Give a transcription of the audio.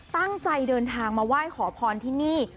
ตั้งใจเดินทางมาไหว้ขอพรที่นี่